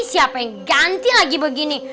siapa yang ganti lagi begini